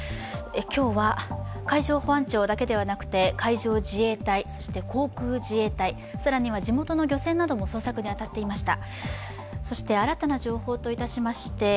今日は海上保安庁だけではなくて海上自衛隊そして航空自衛隊、更には地元の漁船なども捜索に当たっていました。